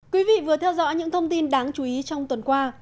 quý vị vừa theo dõi những thông tin đáng chú ý trong tuần qua